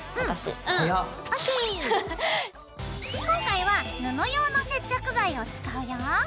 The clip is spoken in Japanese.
今回は布用の接着剤を使うよ。